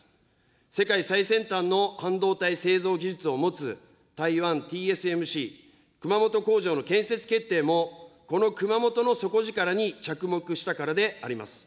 世界最先端の半導体製造技術を持つ台湾ＴＳＭＣ熊本工場の建設決定も、この熊本の底力に着目したからであります。